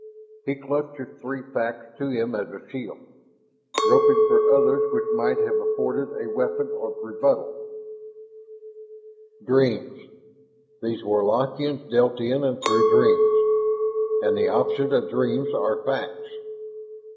He clutched his three facts to him as a shield, groping for others which might have afforded a weapon of rebuttal. Dreams, these Warlockians dealt in and through dreams. And the opposite of dreams are facts!